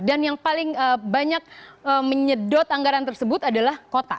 dan yang paling banyak menyedot anggaran tersebut adalah kota